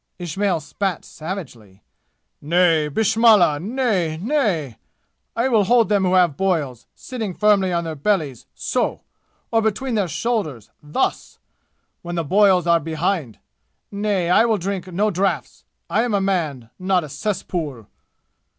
Ismail spat savagely. "Nay! Bismillah! Nay, nay! I will hold them who have boils, sitting firmly on their bellies so or between their shoulders thus when the boils are behind! Nay, I will drink no draughts! I am a man, not a cess pool!"